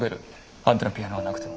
あんたのピアノがなくても。